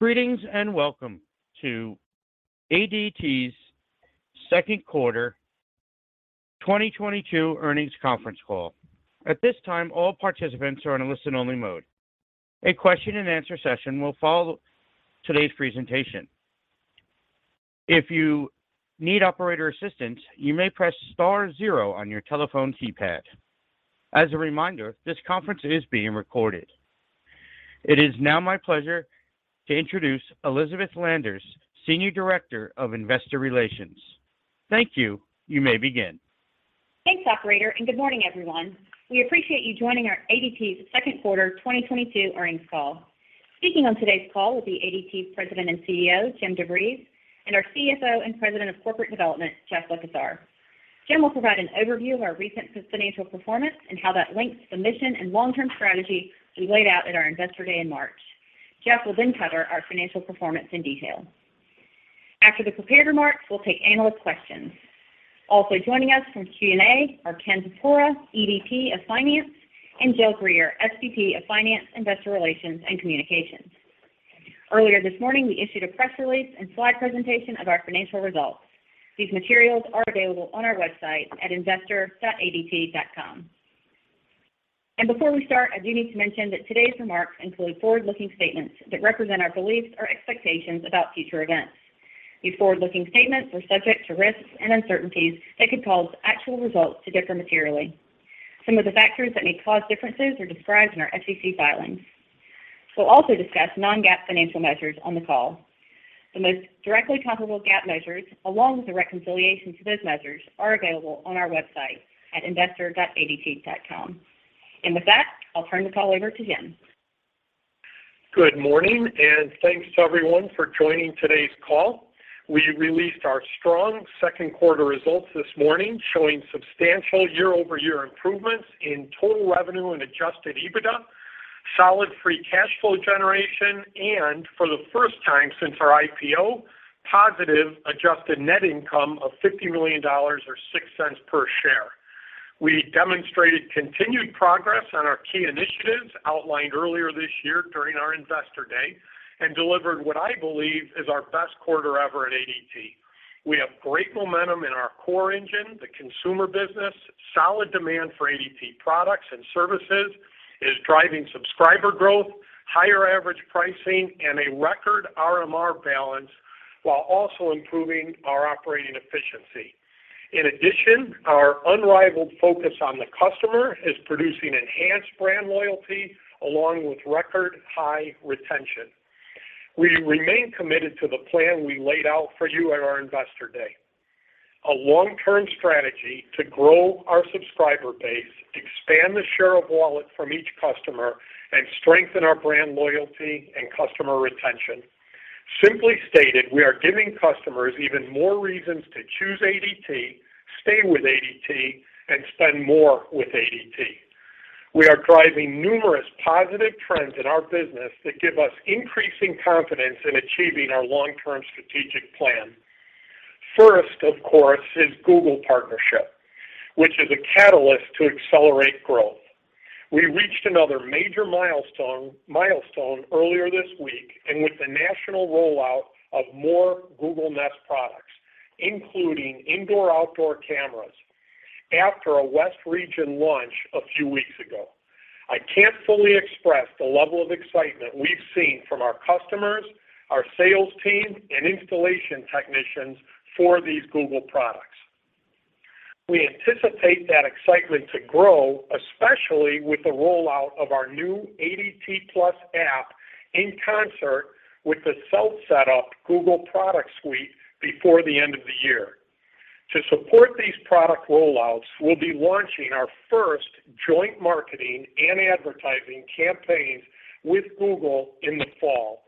Greetings and welcome to ADT's second quarter 2022 earnings conference call. At this time, all participants are in a listen-only mode. A question and answer session will follow today's presentation. If you need operator assistance, you may press star zero on your telephone keypad. As a reminder, this conference is being recorded. It is now my pleasure to introduce Elizabeth Landers, Senior Director of Investor Relations. Thank you. You may begin. Thanks, operator, and good morning, everyone. We appreciate you joining ADT's second quarter 2022 earnings call. Speaking on today's call will be ADT's President and Chief Executive Officer, Jim DeVries, and our Chief Financial Officer and President of Corporate Development, Jeff Likosar. Jim will provide an overview of our recent financial performance and how that links to the mission and long-term strategy we laid out at our Investor Day in March. Jeff will then cover our financial performance in detail. After the prepared remarks, we'll take analyst questions. Also joining us from Q&A are Ken Porpora, EVP of Finance, and Jill Greer, SVP of Finance, Investor Relations, and Communications. Earlier this morning, we issued a press release and slide presentation of our financial results. These materials are available on our website at investor.adt.com. Before we start, I do need to mention that today's remarks include forward-looking statements that represent our beliefs or expectations about future events. These forward-looking statements are subject to risks and uncertainties that could cause actual results to differ materially. Some of the factors that may cause differences are described in our SEC filings. We'll also discuss Non-GAAP financial measures on the call. The most directly comparable GAAP measures, along with the reconciliation to those measures, are available on our website at investor.adt.com. With that, I'll turn the call over to Jim. Good morning, and thanks to everyone for joining today's call. We released our strong second quarter results this morning, showing substantial year-over-year improvements in total revenue and adjusted EBITDA, solid free cash flow generation, and for the first time since our IPO, positive adjusted net income of $50 million or $0.06 per share. We demonstrated continued progress on our key initiatives outlined earlier this year during our Investor Day and delivered what I believe is our best quarter ever at ADT. We have great momentum in our core engine, the consumer business, solid demand for ADT products and services is driving subscriber growth, higher average pricing, and a record RMR balance while also improving our operating efficiency. In addition, our unrivaled focus on the customer is producing enhanced brand loyalty along with record high retention. We remain committed to the plan we laid out for you at our Investor Day, a long-term strategy to grow our subscriber base, expand the share of wallet from each customer, and strengthen our brand loyalty and customer retention. Simply stated, we are giving customers even more reasons to choose ADT, stay with ADT, and spend more with ADT. We are driving numerous positive trends in our business that give us increasing confidence in achieving our long-term strategic plan. First, of course, is Google partnership, which is a catalyst to accelerate growth. We reached another major milestone earlier this week and with the national rollout of more Google Nest products, including indoor/outdoor cameras after a West region launch a few weeks ago. I can't fully express the level of excitement we've seen from our customers, our sales team, and installation technicians for these Google products. We anticipate that excitement to grow, especially with the rollout of our new ADT+ app in concert with the self-setup Google product suite before the end of the year. To support these product rollouts, we'll be launching our first joint marketing and advertising campaigns with Google in the fall,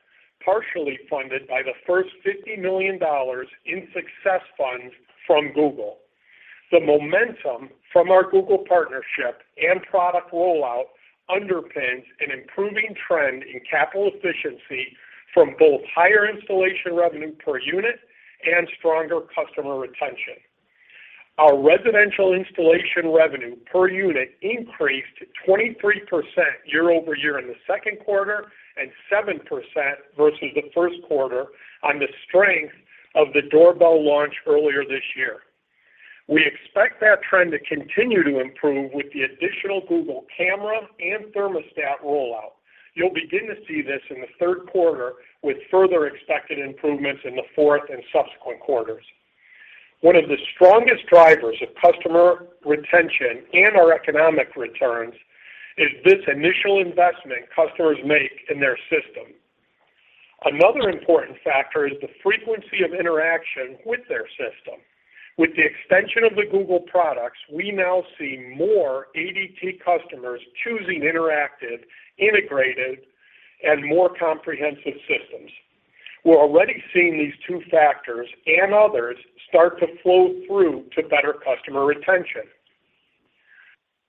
partially funded by the first $50 million in Success Fund from Google. The momentum from our Google partnership and product rollout underpins an improving trend in capital efficiency from both higher installation revenue per unit and stronger customer retention. Our residential installation revenue per unit increased 23% year-over-year in the second quarter and 7% versus the first quarter on the strength of the doorbell launch earlier this year. We expect that trend to continue to improve with the additional Google Camera and Thermostat rollout. You'll begin to see this in the third quarter with further expected improvements in the fourth and subsequent quarters. One of the strongest drivers of customer retention and our economic returns is this initial investment customers make in their system. Another important factor is the frequency of interaction with their system. With the extension of the Google products, we now see more ADT customers choosing interactive, integrated, and more comprehensive systems. We're already seeing these two factors and others start to flow through to better customer retention.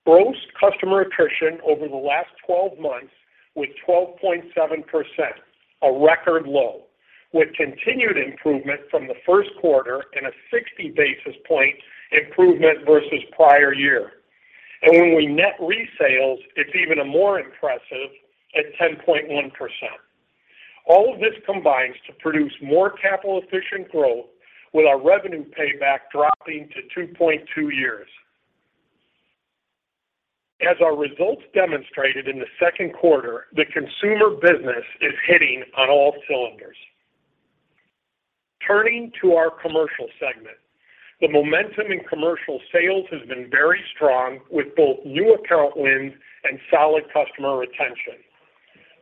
Gross customer attrition over the last 12 months with 12.7%, a record low, with continued improvement from the first quarter and a 60 basis point improvement versus prior year. When we net resales, it's even a more impressive at 10.1%. All of this combines to produce more capital efficient growth with our revenue payback dropping to 2.2 years. As our results demonstrated in the second quarter, the consumer business is hitting on all cylinders. Turning to our commercial segment. The momentum in commercial sales has been very strong with both new account wins and solid customer retention.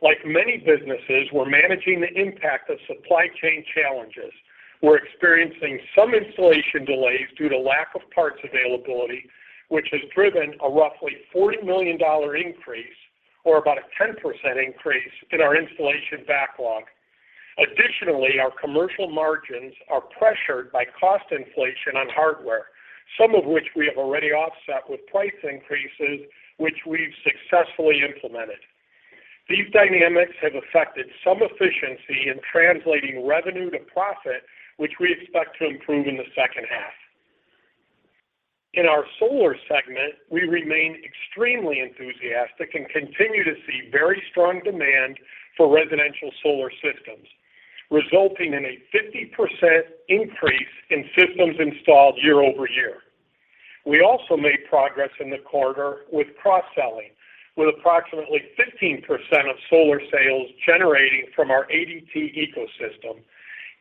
Like many businesses, we're managing the impact of supply chain challenges. We're experiencing some installation delays due to lack of parts availability, which has driven a roughly $40 million increase or about a 10% increase in our installation backlog. Additionally, our commercial margins are pressured by cost inflation on hardware, some of which we have already offset with price increases, which we've successfully implemented. These dynamics have affected some efficiency in translating revenue to profit, which we expect to improve in the second half. In our solar segment, we remain extremely enthusiastic and continue to see very strong demand for residential solar systems, resulting in a 50% increase in systems installed year-over-year. We also made progress in the quarter with cross-selling, with approximately 15% of solar sales generating from our ADT ecosystem,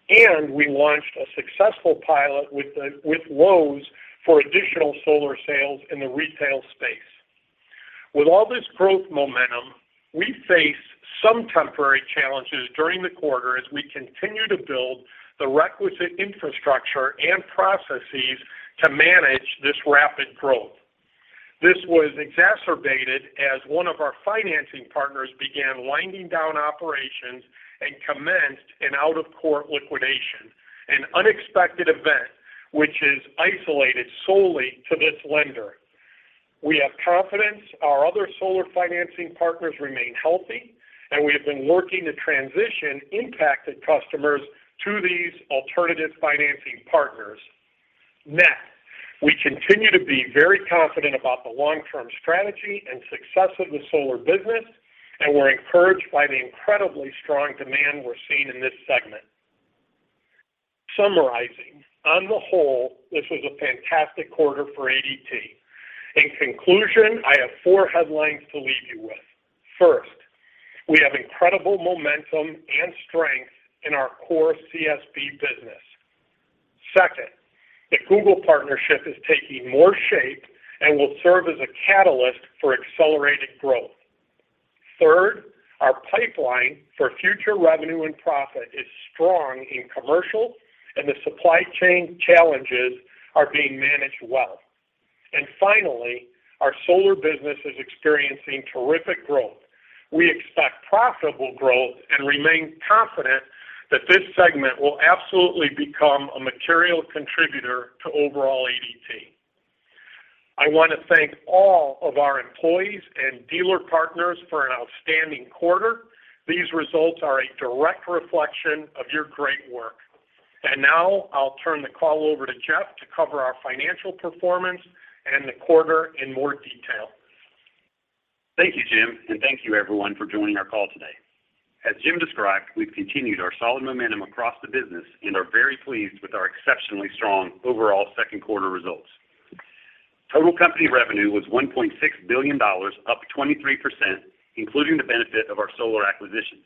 and we launched a successful pilot with Lowe's for additional solar sales in the retail space. With all this growth momentum, we face some temporary challenges during the quarter as we continue to build the requisite infrastructure and processes to manage this rapid growth. This was exacerbated as one of our financing partners began winding down operations and commenced an out-of-court liquidation, an unexpected event which is isolated solely to this lender. We have confidence, our other solar financing partners remain healthy, and we have been working to transition impacted customers to these alternative financing partners. Next, we continue to be very confident about the long-term strategy and success of the solar business, and we're encouraged by the incredibly strong demand we're seeing in this segment. Summarizing. On the whole, this was a fantastic quarter for ADT. In conclusion, I have four headlines to leave you with. First, we have incredible momentum and strength in our core CSB business. Second, the Google partnership is taking more shape and will serve as a catalyst for accelerated growth. Third, our pipeline for future revenue and profit is strong in commercial, and the supply chain challenges are being managed well. Finally, our solar business is experiencing terrific growth. We expect profitable growth and remain confident that this segment will absolutely become a material contributor to overall ADT. I want to thank all of our employees and dealer partners for an outstanding quarter. These results are a direct reflection of your great work. Now I'll turn the call over to Jeff to cover our financial performance and the quarter in more detail. Thank you, Jim, and thank you everyone for joining our call today. As Jim described, we've continued our solid momentum across the business and are very pleased with our exceptionally strong overall second quarter results. Total company revenue was $1.6 billion, up 23%, including the benefit of our solar acquisitions.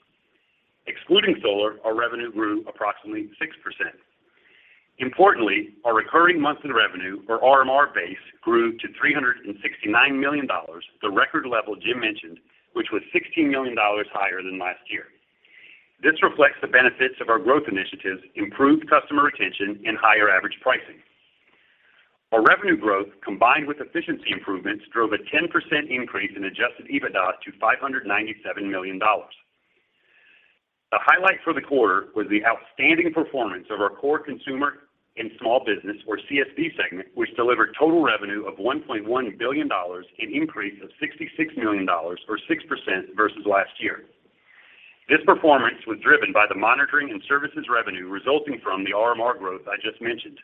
Excluding solar, our revenue grew approximately 6%. Importantly, our recurring monthly revenue, or RMR base, grew to $369 million, the record level Jim mentioned, which was $16 million higher than last year. This reflects the benefits of our growth initiatives, improved customer retention and higher average pricing. Our revenue growth, combined with efficiency improvements, drove a 10% increase in adjusted EBITDA to $597 million. The highlight for the quarter was the outstanding performance of our core consumer and small business, or CSB segment, which delivered total revenue of $1.1 billion, an increase of $66 million or 6% versus last year. This performance was driven by the monitoring and services revenue resulting from the RMR growth I just mentioned.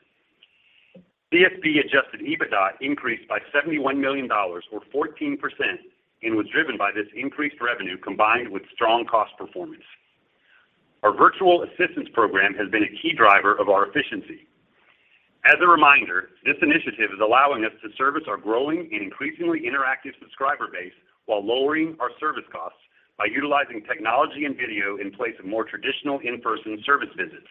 CSB adjusted EBITDA increased by $71 million or 14% and was driven by this increased revenue combined with strong cost performance. Our virtual assistance program has been a key driver of our efficiency. As a reminder, this initiative is allowing us to service our growing and increasingly interactive subscriber base while lowering our service costs by utilizing technology and video in place of more traditional in-person service visits.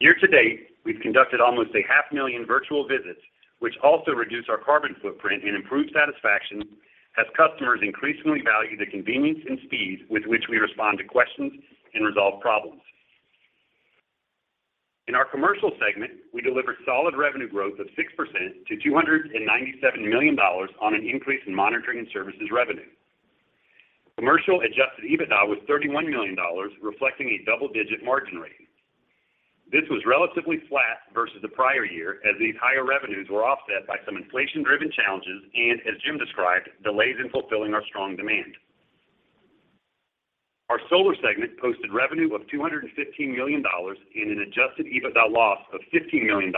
Year to date, we've conducted almost 500,000 virtual visits, which also reduce our carbon footprint and improve satisfaction as customers increasingly value the convenience and speed with which we respond to questions and resolve problems. In our commercial segment, we delivered solid revenue growth of 6% to $297 million on an increase in monitoring and services revenue. Commercial adjusted EBITDA was $31 million, reflecting a double-digit margin rate. This was relatively flat versus the prior year as these higher revenues were offset by some inflation-driven challenges and, as Jim described, delays in fulfilling our strong demand. Our solar segment posted revenue of $215 million and an adjusted EBITDA loss of $15 million,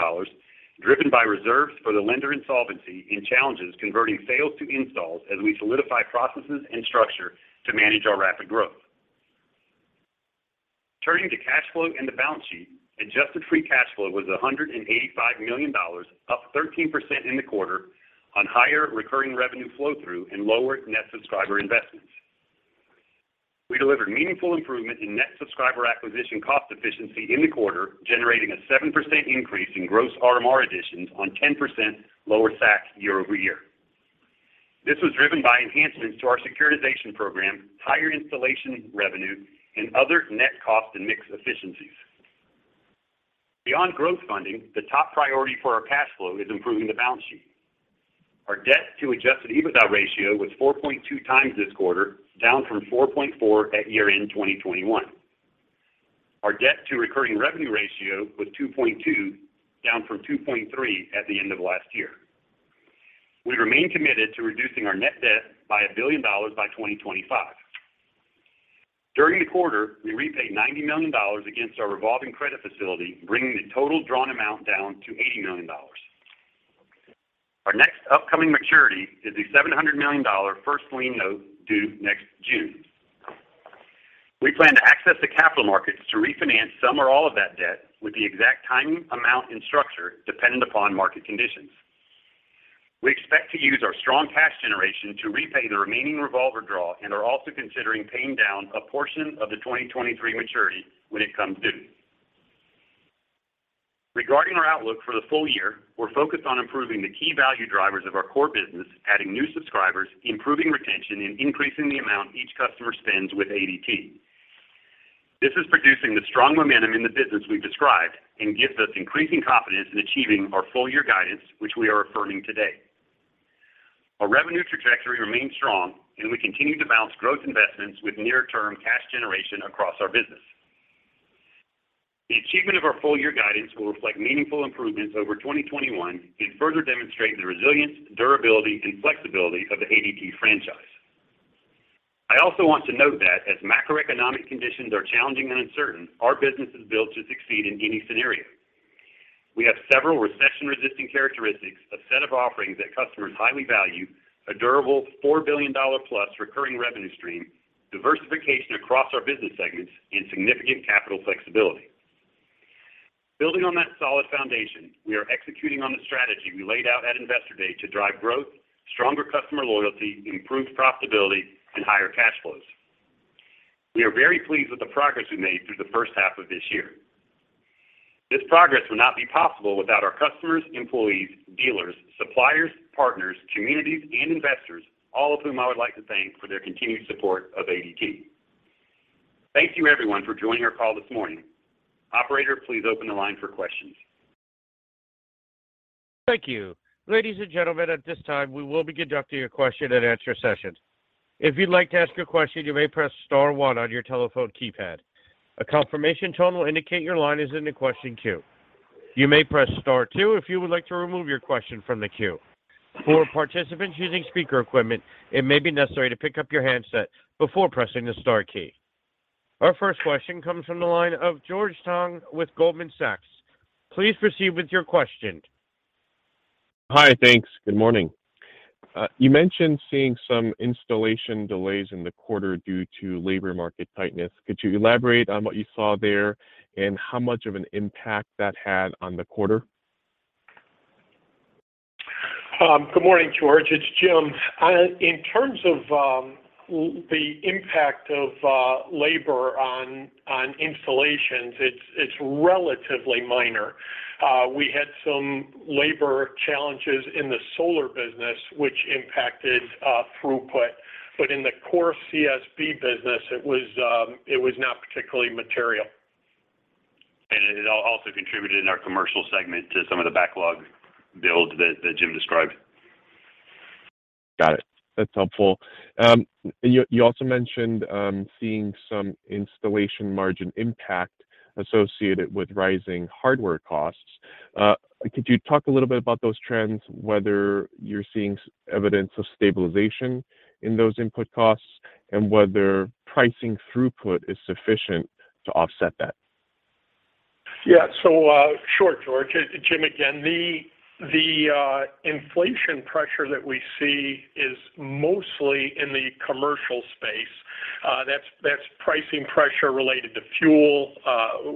driven by reserves for the lender insolvency and challenges converting sales to installs as we solidify processes and structure to manage our rapid growth. Turning to cash flow and the balance sheet, Adjusted Free Cash Flow was $185 million, up 13% in the quarter on higher recurring revenue flow through and lower net subscriber investments. We delivered meaningful improvement in net subscriber acquisition cost efficiency in the quarter, generating a 7% increase in gross RMR additions on 10% lower SAC year-over-year. This was driven by enhancements to our securitization program, higher installation revenue, and other net cost and mix efficiencies. Beyond growth funding, the top priority for our cash flow is improving the balance sheet. Our debt to adjusted EBITDA ratio was 4.2x this quarter, down from 4.4 at year-end 2021. Our debt to recurring revenue ratio was 2.2, down from 2.3 at the end of last year. We remain committed to reducing our net debt by $1 billion by 2025. During the quarter, we repaid $90 million against our revolving credit facility, bringing the total drawn amount down to $80 million. Our next upcoming maturity is the $700 million first lien note due next June. We plan to access the capital markets to refinance some or all of that debt with the exact timing, amount, and structure dependent upon market conditions. We expect to use our strong cash generation to repay the remaining revolver draw and are also considering paying down a portion of the 2023 maturity when it comes due. Regarding our outlook for the full year, we're focused on improving the key value drivers of our core business, adding new subscribers, improving retention, and increasing the amount each customer spends with ADT. This is producing the strong momentum in the business we've described and gives us increasing confidence in achieving our full year guidance, which we are affirming today. Our revenue trajectory remains strong and we continue to balance growth investments with near-term cash generation across our business. The achievement of our full year guidance will reflect meaningful improvements over 2021 and further demonstrate the resilience, durability, and flexibility of the ADT franchise. I also want to note that as macroeconomic conditions are challenging and uncertain, our business is built to succeed in any scenario. We have several recession-resistant characteristics, a set of offerings that customers highly value, a durable $4 billion+ recurring revenue stream, diversification across our business segments, and significant capital flexibility. Building on that solid foundation, we are executing on the strategy we laid out at Investor Day to drive growth, stronger customer loyalty, improved profitability, and higher cash flows. We are very pleased with the progress we made through the first half of this year. This progress would not be possible without our customers, employees, dealers, suppliers, partners, communities, and investors, all of whom I would like to thank for their continued support of ADT. Thank you everyone for joining our call this morning. Operator, please open the line for questions. Thank you. Ladies and gentlemen, at this time, we will be conducting a question and answer session. If you'd like to ask a question, you may press star one on your telephone keypad. A confirmation tone will indicate your line is in the question queue. You may press star two if you would like to remove your question from the queue. For participants using speaker equipment, it may be necessary to pick up your handset before pressing the star key. Our first question comes from the line of George Tong with Goldman Sachs. Please proceed with your question. Hi. Thanks. Good morning. You mentioned seeing some installation delays in the quarter due to labor market tightness. Could you elaborate on what you saw there and how much of an impact that had on the quarter? Good morning, George. It's Jim. In terms of the impact of labor on installations, it's relatively minor. We had some labor challenges in the solar business which impacted throughput, but in the core CSB business, it was not particularly material. It also contributed in our commercial segment to some of the backlog build that Jim described. Got it. That's helpful. You also mentioned seeing some installation margin impact associated with rising hardware costs. Could you talk a little bit about those trends, whether you're seeing some evidence of stabilization in those input costs and whether pricing throughput is sufficient to offset that? Yeah. Sure, George. It's Jim again. The inflation pressure that we see is mostly in the commercial space. That's pricing pressure related to fuel,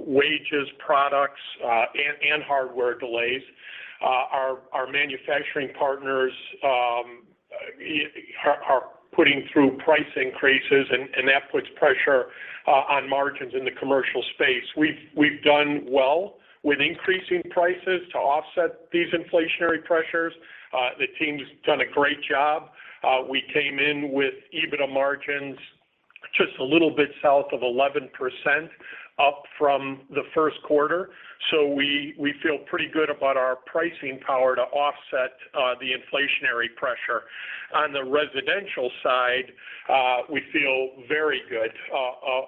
wages, products, and hardware delays. Our manufacturing partners are putting through price increases and that puts pressure on margins in the commercial space. We've done well with increasing prices to offset these inflationary pressures. The team's done a great job. We came in with EBITDA margins just a little bit south of 11% up from the first quarter. We feel pretty good about our pricing power to offset the inflationary pressure. On the residential side, we feel very good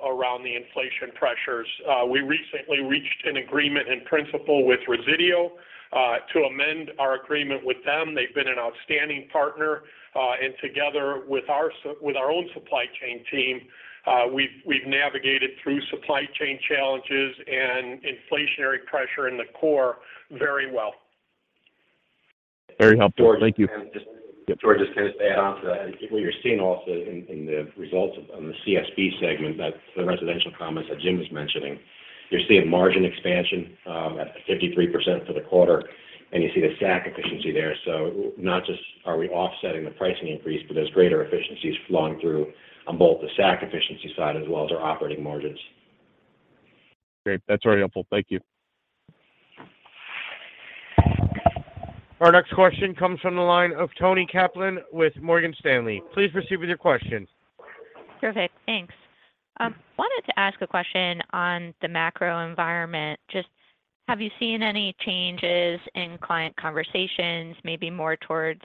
around the inflation pressures. We recently reached an agreement in principle with Resideo to amend our agreement with them. They've been an outstanding partner. Together with our own supply chain team, we've navigated through supply chain challenges and inflationary pressure in the core very well. Very helpful. Thank you. George, yep, can I just add on to that? What you're seeing also in the results on the CSB segment, that's the residential comments that Jim was mentioning. You're seeing margin expansion at 53% for the quarter, and you see the SAC efficiency there. Not just are we offsetting the pricing increase, but there's greater efficiencies flowing through on both the SAC efficiency side as well as our operating margins. Great. That's very helpful. Thank you. Our next question comes from the line of Toni Kaplan with Morgan Stanley. Please proceed with your question. Perfect. Thanks. Wanted to ask a question on the macro environment. Just have you seen any changes in client conversations, maybe more towards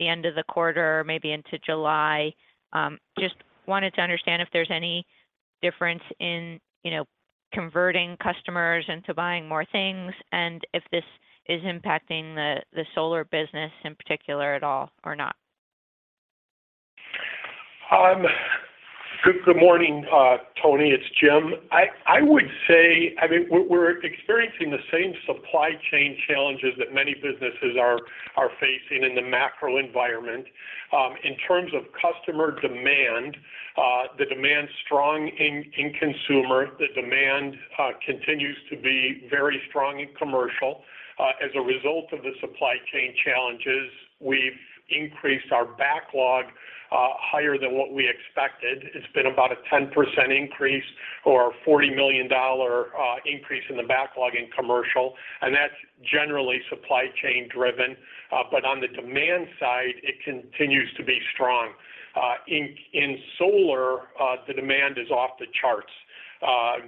the end of the quarter, maybe into July? Just wanted to understand if there's any difference in, you know, converting customers into buying more things and if this is impacting the solar business in particular at all or not? Good morning, Toni. It's Jim. I mean, we're experiencing the same supply chain challenges that many businesses are facing in the macro environment. In terms of customer demand, the demand's strong in consumer. The demand continues to be very strong in commercial. As a result of the supply chain challenges, we've increased our backlog higher than what we expected. It's been about a 10% increase or a $40 million increase in the backlog in commercial, and that's generally supply chain driven. On the demand side, it continues to be strong. In solar, the demand is off the charts.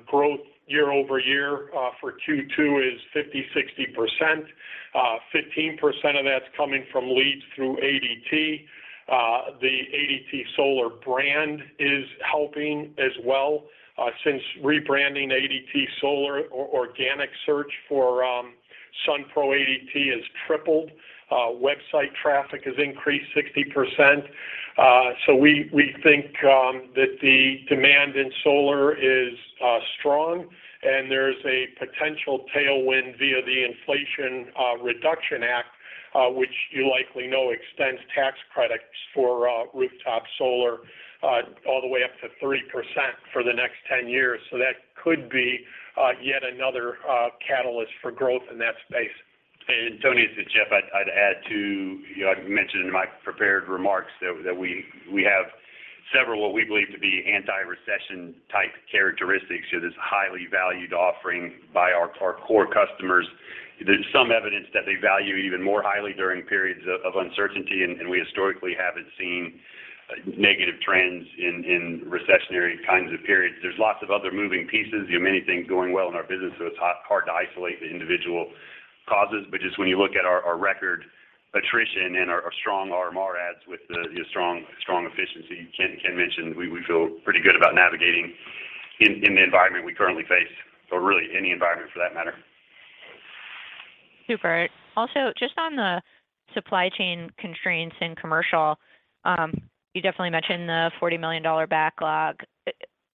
Growth year-over-year for Q2 is 50%-60%. 15% of that's coming from leads through ADT. The ADT Solar brand is helping as well. Since rebranding ADT Solar, organic search for Sunpro ADT has tripled. Website traffic has increased 60%. We think that the demand in solar is strong and there's a potential tailwind via the Inflation Reduction Act, which you likely know extends tax credits for rooftop solar all the way up to 30% for the next 10 years. That could be yet another catalyst for growth in that space. Toni, it's Jeff. I'd add to you know, I mentioned in my prepared remarks that we have several, what we believe to be anti-recession type characteristics to this highly valued offering by our core customers. There's some evidence that they value even more highly during periods of uncertainty, and we historically haven't seen negative trends in recessionary kinds of periods. There's lots of other moving pieces, you know, many things going well in our business, so it's hard to isolate the individual causes. Just when you look at our record attrition and our strong RMR adds with the strong efficiency Ken mentioned, we feel pretty good about navigating in the environment we currently face or really any environment for that matter. Super. Also, just on the supply chain constraints in commercial, you definitely mentioned the $40 million backlog.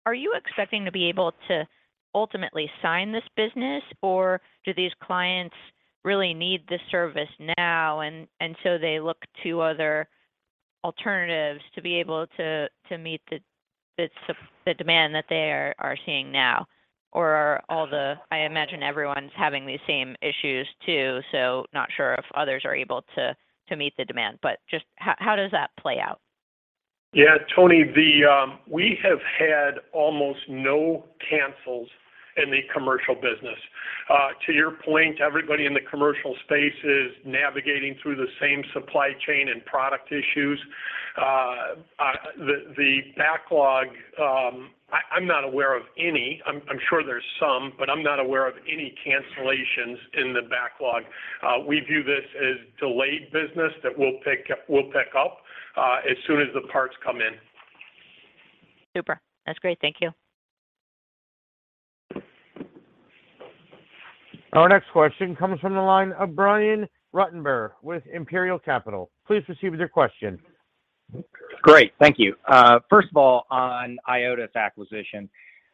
Are you expecting to be able to ultimately sign this business, or do these clients really need this service now and so they look to other alternatives to be able to meet the demand that they are seeing now? I imagine everyone's having these same issues too, so not sure if others are able to meet the demand. Just how does that play out? Yeah, Toni. We have had almost no cancels in the commercial business. To your point, everybody in the commercial space is navigating through the same supply chain and product issues. The backlog, I'm not aware of any. I'm sure there's some, but I'm not aware of any cancellations in the backlog. We view this as delayed business that we'll pick up as soon as the parts come in. Super. That's great. Thank you. Our next question comes from the line of Brian Ruttenbur with Imperial Capital. Please proceed with your question. Great. Thank you. First of all, on IOTAS acquisition,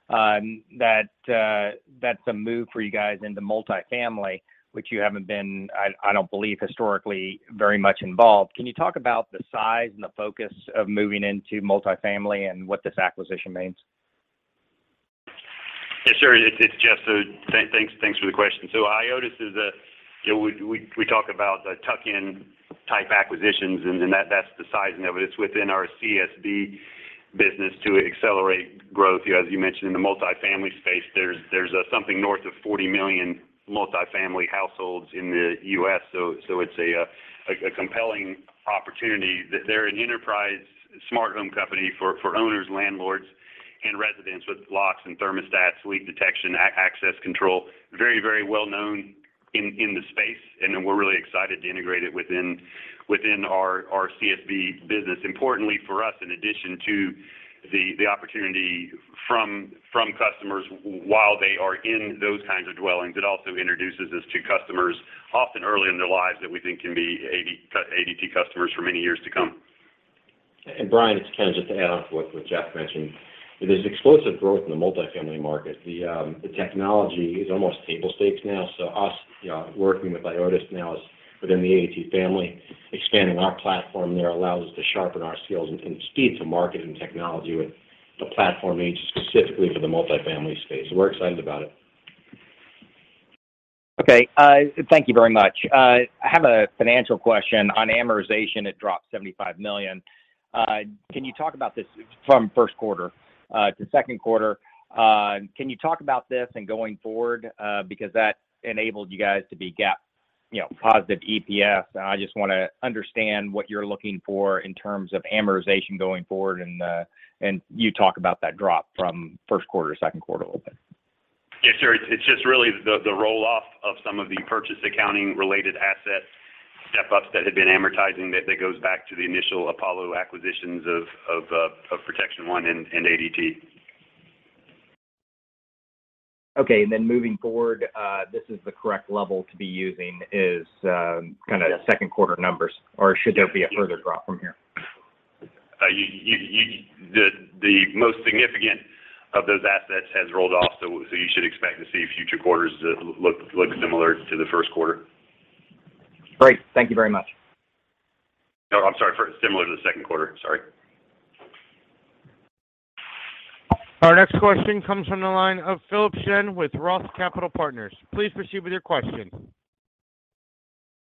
that’s a move for you guys into multifamily, which you haven’t been, I don’t believe historically very much involved. Can you talk about the size and the focus of moving into multifamily and what this acquisition means? Yes, sure. It's Jeff. Thanks for the question. IOTAS is a. You know, we talk about the tuck-in type acquisitions and then that's the sizing of it. It's within our CSB business to accelerate growth. You know, as you mentioned, in the multifamily space there's something north of 40 million multifamily households in the U.S. It's a compelling opportunity. They're an enterprise smart home company for owners, landlords, and residents with locks and thermostats, leak detection, access control. Very well known in the space, and we're really excited to integrate it within our CSB business. Importantly for us, in addition to the opportunity from customers while they are in those kinds of dwellings, it also introduces us to customers often early in their lives that we think can be ADT customers for many years to come. Brian, it's Ken, just to add on to what Jeff mentioned. There's explosive growth in the multifamily market. The technology is almost table stakes now. Us, you know, working with IOTAS now is within the ADT family, expanding our platform there allows us to sharpen our skills and speed to market and technology with a platform aimed specifically for the multifamily space. We're excited about it. Okay. Thank you very much. I have a financial question. On amortization, it dropped $75 million. Can you talk about this from first quarter to second quarter? Can you talk about this and going forward, because that enabled you guys to be GAAP, you know, positive EPS. I just wanna understand what you're looking for in terms of amortization going forward and you talk about that drop from first quarter to second quarter a little bit. Yeah, sure. It's just really the roll-off of some of the purchase accounting related asset step-ups that had been amortizing that goes back to the initial Apollo acquisitions of Protection One and ADT. Okay. Moving forward, this is the correct level to be using is, kinda second quarter numbers or should there be a further drop from here? The most significant of those assets has rolled off, so you should expect to see future quarters look similar to the first quarter. Great. Thank you very much. No, I'm sorry. Similar to the second quarter, sorry. Our next question comes from the line of Philip Shen with ROTH Capital Partners. Please proceed with your question.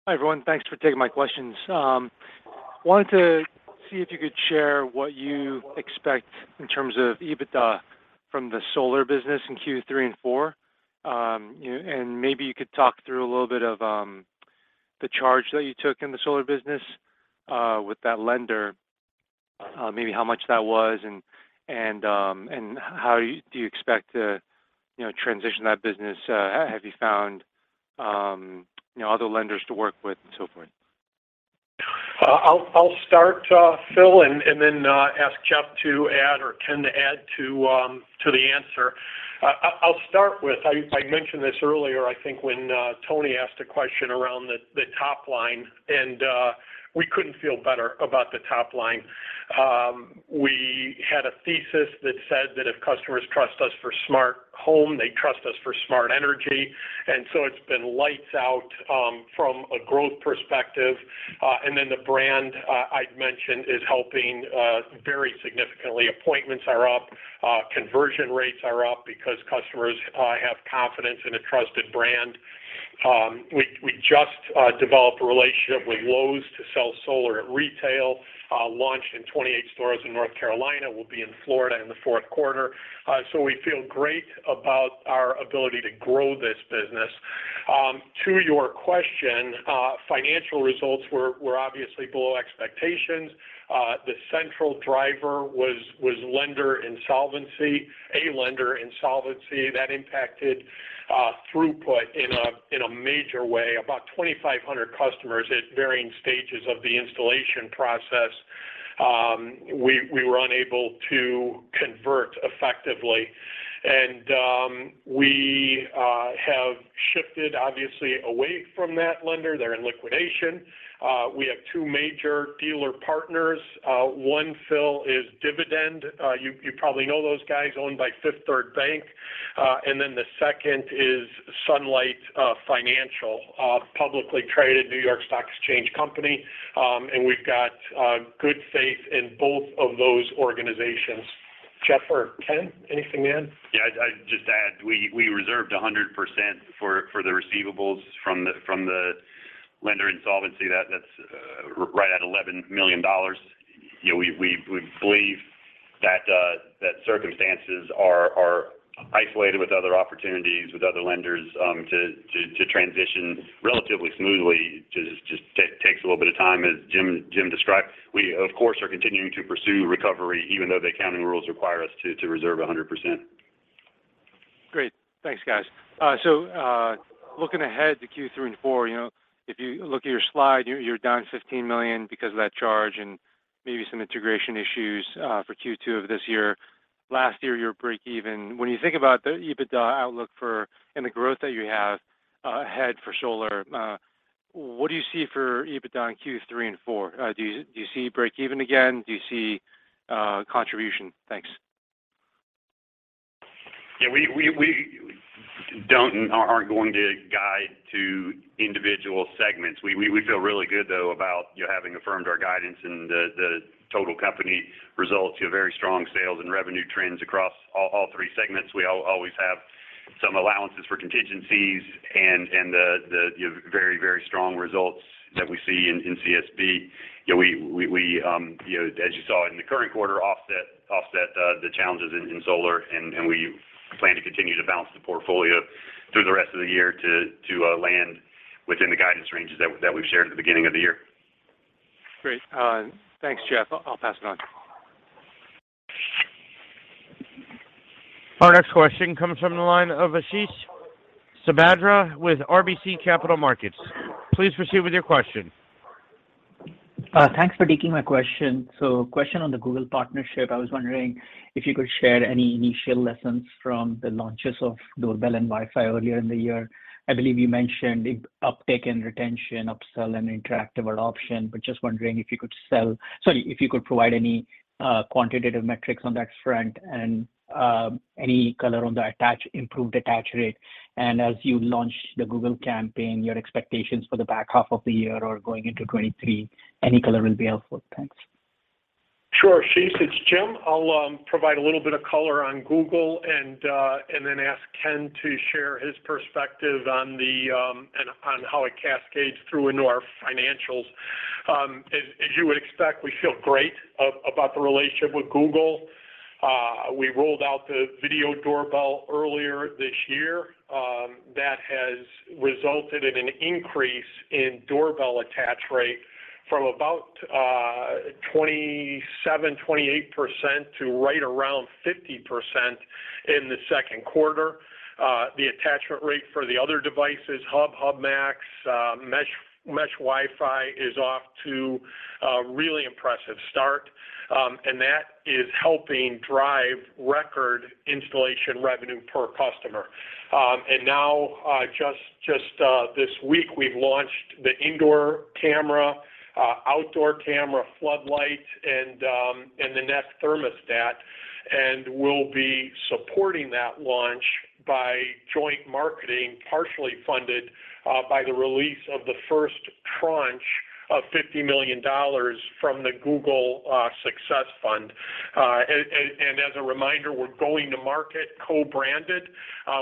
Hi, everyone. Thanks for taking my questions. Wanted to see if you could share what you expect in terms of EBITDA from the solar business in Q3 and four. You know, maybe you could talk through a little bit of the charge that you took in the solar business with that lender, maybe how much that was and how do you expect to transition that business? Have you found, you know, other lenders to work with and so forth? I'll start, Philip, and then ask Jeff to add or Ken to add to the answer. I'll start with I mentioned this earlier. I think when Toni asked a question around the top line, and we couldn't feel better about the top line. We had a thesis that said that if customers trust us for smart home, they trust us for smart energy. It's been lights out from a growth perspective. The brand I'd mentioned is helping very significantly. Appointments are up, conversion rates are up because customers have confidence in a trusted brand. We just developed a relationship with Lowe's to sell solar at retail, launched in 28 stores in North Carolina, will be in Florida in the fourth quarter. We feel great about our ability to grow this business. To your question, financial results were obviously below expectations. The central driver was lender insolvency, a lender insolvency that impacted throughput in a major way. About 2,500 customers at varying stages of the installation process, we were unable to convert effectively. We have shifted obviously away from that lender. They're in liquidation. We have two major dealer partners. One is Dividend. You probably know those guys owned by Fifth Third Bank. The second is Sunlight Financial, publicly traded New York Stock Exchange company. We've got good faith in both of those organizations. Jeff or Ken, anything to add? Yeah. I'd just add, we reserved 100% for the receivables from the lender insolvency that's right at $11 million. You know, we believe that circumstances are isolated with other opportunities with other lenders to transition relatively smoothly. Just takes a little bit of time as Jim described. We, of course, are continuing to pursue recovery even though the accounting rules require us to reserve 100%. Great. Thanks, guys. So, looking ahead to Q3 and Q4, you know, if you look at your slide, you're down $15 million because of that charge and maybe some integration issues for Q2 of this year. Last year you were breakeven. When you think about the EBITDA outlook for, and the growth that you have ahead for solar, what do you see for EBITDA in Q3 and Q4? Do you see breakeven again? Do you see contribution? Thanks. Yeah. We don't and aren't going to guide to individual segments. We feel really good though about, you know, having affirmed our guidance and the total company results. You have very strong sales and revenue trends across all three segments. We always have some allowances for contingencies and the you know, very strong results that we see in CSB. You know, we you know, as you saw in the current quarter, offset the challenges in solar and we plan to continue to balance the portfolio through the rest of the year to land within the guidance ranges that we've shared at the beginning of the year. Great. Thanks, Jeff. I'll pass it on. Our next question comes from the line of Ashish Sabadra with RBC Capital Markets. Please proceed with your question. Thanks for taking my question. Question on the Google partnership. I was wondering if you could share any initial lessons from the launches of doorbell and Wi-Fi earlier in the year. I believe you mentioned the uptick in retention, upsell, and interactive adoption, but just wondering if you could provide any quantitative metrics on that front and any color on the improved attach rate. As you launch the Google campaign, your expectations for the back half of the year or going into 2023, any color will be helpful. Thanks. Sure. Ashish, it's Jim. I'll provide a little bit of color on Google and then ask Ken to share his perspective on how it cascades through into our financials. As you would expect, we feel great about the relationship with Google. We rolled out the video doorbell earlier this year. That has resulted in an increase in doorbell attach rate from about 27%-28% to right around 50% in the second quarter. The attachment rate for the other devices, Nest Hub, Nest Hub Max, Nest Wifi is off to a really impressive start, and that is helping drive record installation revenue per customer. Now, just this week, we've launched the indoor camera, outdoor camera, floodlights, and the Nest thermostat, and we'll be supporting that launch by joint marketing, partially funded by the release of the first tranche of $50 million from the Google Success Fund. As a reminder, we're going to market co-branded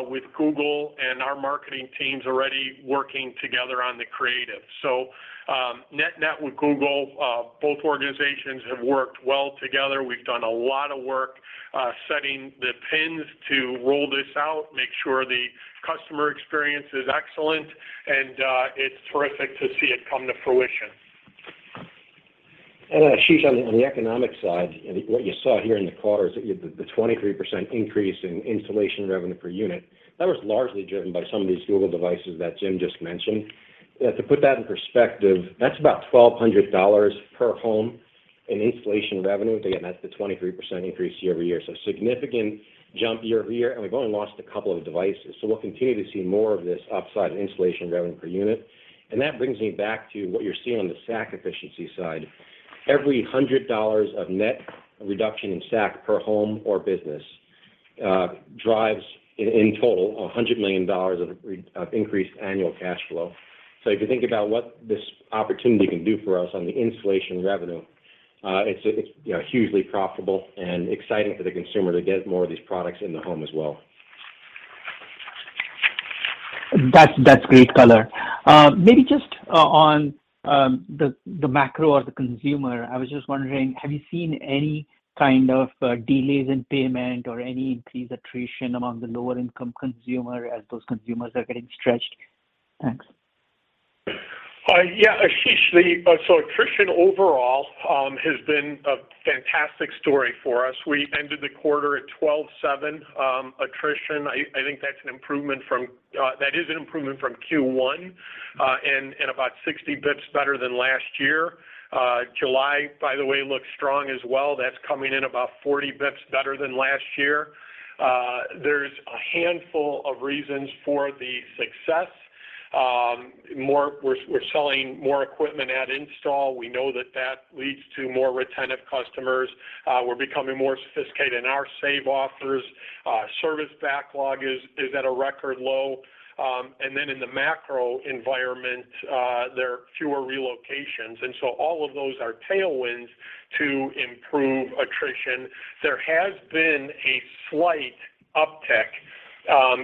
with Google, and our marketing team's already working together on the creative. Net net with Google, both organizations have worked well together. We've done a lot of work setting the stage to roll this out, make sure the customer experience is excellent, and it's terrific to see it come to fruition. Ashish, on the economic side, what you saw here in the quarter is the 23% increase in installation revenue per unit. That was largely driven by some of these Google devices that Jim just mentioned. To put that in perspective, that's about $1,200 per home in installation revenue. Again, that's the 23% increase year-over-year, so significant jump year-over-year, and we've only launched a couple of devices. We'll continue to see more of this upside in installation revenue per unit. That brings me back to what you're seeing on the SAC efficiency side. Every $100 of net reduction in SAC per home or business drives in total $100 million of increased annual cash flow. If you think about what this opportunity can do for us on the installation revenue, it's, you know, hugely profitable and exciting for the consumer to get more of these products in the home as well. That's great color. Maybe just on the macro or the consumer, I was just wondering, have you seen any kind of delays in payment or any increased attrition among the lower income consumer as those consumers are getting stretched? Thanks. Yeah, Ashish, attrition overall has been a fantastic story for us. We ended the quarter at 12.7% attrition. I think that's an improvement from Q1 and about 60 basis points better than last year. July, by the way, looks strong as well. That's coming in about 40 basis points better than last year. There's a handful of reasons for the success. We're selling more equipment at install. We know that that leads to more retentive customers. We're becoming more sophisticated in our save offers. Service backlog is at a record low. In the macro environment, there are fewer relocations. All of those are tailwinds to improve attrition. There has been a slight uptick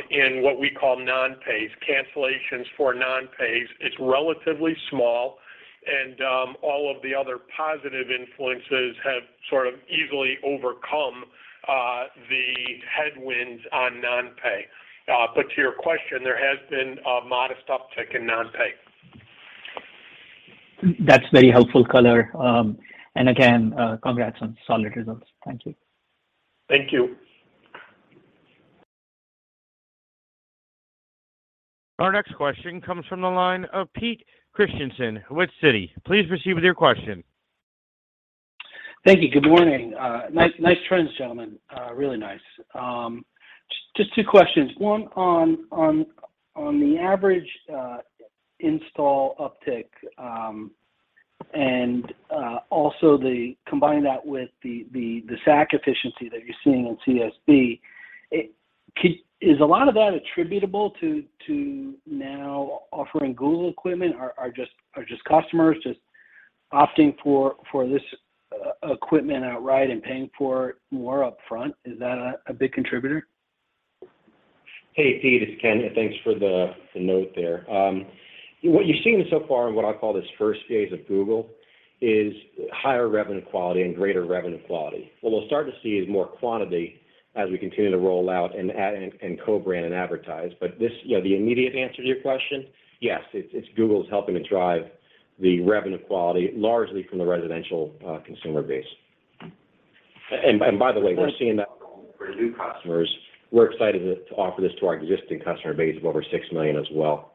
in what we call non-pays, cancellations for non-pays. It's relatively small, and all of the other positive influences have sort of easily overcome the headwinds on non-pay. To your question, there has been a modest uptick in non-pay. That's very helpful color. Again, congrats on solid results. Thank you. Thank you. Our next question comes from the line of Peter Christiansen with Citi. Please proceed with your question. Thank you. Good morning. Nice trends, gentlemen. Really nice. Just two questions. One on the average install uptick, and also combine that with the SAC efficiency that you're seeing in CSB. Is a lot of that attributable to now offering Google equipment, or are just customers just opting for this equipment outright and paying for it more upfront? Is that a big contributor? Hey, Pete. It's Ken. Thanks for the note there. What you've seen so far in what I call this first phase of Google is higher revenue quality and greater revenue quality. What we'll start to see is more quantity as we continue to roll out and add and co-brand and advertise. But this, you know, the immediate answer to your question, yes. It's Google's helping to drive the revenue quality largely from the residential consumer base. By the way, we're seeing that for new customers. We're excited to offer this to our existing customer base of over 6 million as well.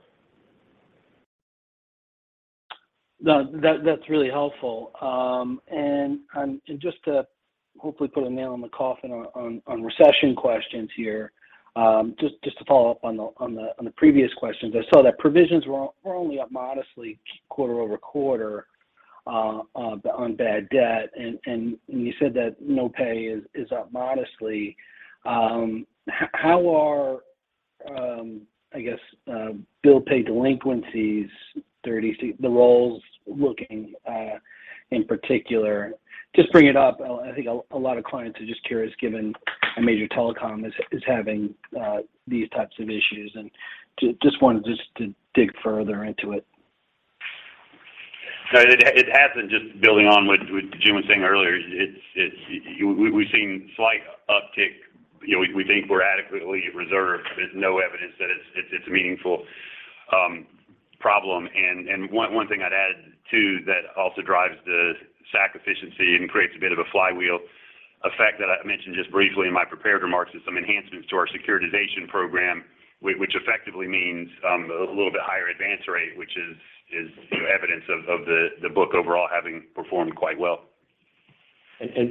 No, that's really helpful. Just to hopefully put a nail in the coffin on recession questions here, just to follow up on the previous questions. I saw that provisions were only up modestly quarter-over-quarter on bad debt and you said that no pay is up modestly. How are, I guess, bill pay delinquencies, 30-day, the rolls looking in particular? Just to bring it up. I think a lot of clients are just curious given a major telecom is having these types of issues, and I just wanted to dig further into it. No, it hasn't. Just building on what Jim was saying earlier. It's. We've seen slight uptick. You know, we think we're adequately reserved. There's no evidence that it's a meaningful problem. One thing I'd add too that also drives the SAC efficiency and creates a bit of a flywheel effect that I mentioned just briefly in my prepared remarks is some enhancements to our securitization program, which effectively means a little bit higher advance rate, which is, you know, evidence of the book overall having performed quite well.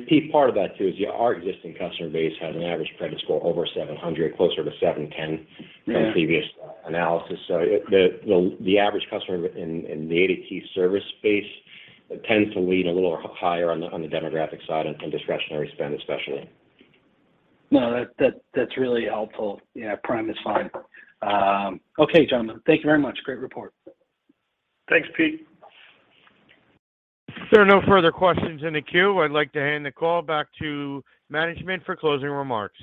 Pete, part of that too is, yeah, our existing customer base has an average credit score over 700, closer to 710. Yeah From previous analysis. The average customer in the ADT service space tends to lean a little higher on the demographic side and discretionary spend, especially. No, that's really helpful. Yeah, prime is fine. Okay, gentlemen. Thank you very much. Great report. Thanks, Pete. There are no further questions in the queue. I'd like to hand the call back to management for closing remarks.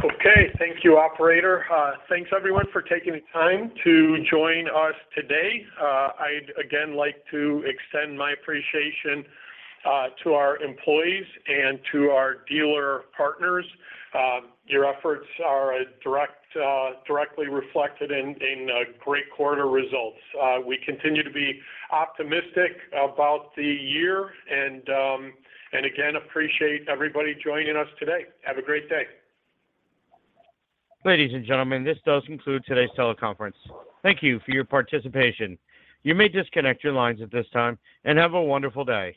Okay. Thank you, operator. Thanks everyone for taking the time to join us today. I'd again like to extend my appreciation to our employees and to our dealer partners. Your efforts are directly reflected in great quarter results. We continue to be optimistic about the year and again appreciate everybody joining us today. Have a great day. Ladies and gentlemen, this does conclude today's teleconference. Thank you for your participation. You may disconnect your lines at this time, and have a wonderful day.